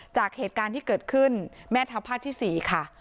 จากเหตุการณ์ที่เกิดขึ้นแม่ทัพภาคที่๔ค่ะ